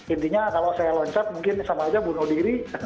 intinya kalau saya loncat mungkin sama aja bunuh diri